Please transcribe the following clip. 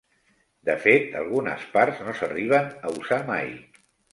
De fet, algunes parts no s'arriben a usar mai.